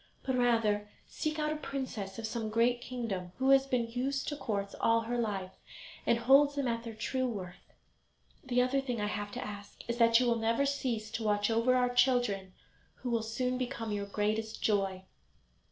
But rather seek out a princess of some great kingdom, who has been used to courts all her life, and holds them at their true worth. The other thing I have to ask is, that you will never cease to watch over our children, who will soon become your greatest joy."